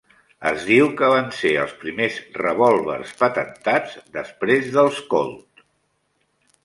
Es diu que van ser els primers revòlvers patentats després dels Colt.